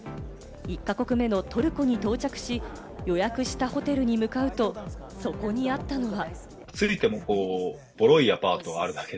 １カ国目のトルコに到着し、予約したホテルに向かうと、そこにあったのは。